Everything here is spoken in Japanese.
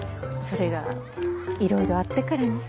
それがいろいろあってからに。